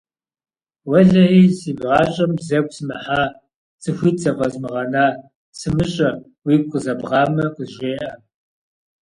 Уэлэхьи, си гъащӏэм бзэгу сымыхьа, цӏыхуитӏ зэфӏэзмыгъэна, сымыщӏэ, уигу къызэбгъэмэ, къызжеӏэ.